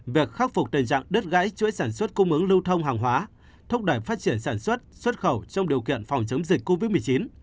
việc khắc phục tình trạng đứt gãy chuỗi sản xuất cung ứng lưu thông hàng hóa thúc đẩy phát triển sản xuất xuất khẩu trong điều kiện phòng chống dịch covid một mươi chín